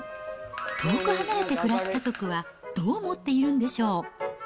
遠く離れて暮らす家族は、どう思っているんでしょう。